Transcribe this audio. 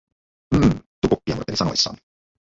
Hmmm" Tukuk kiemurteli sanoissaan.